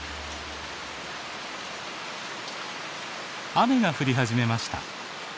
雨が降り始めました。